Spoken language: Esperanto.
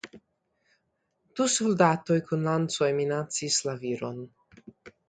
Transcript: Du soldatoj kun lancoj minacis la viron.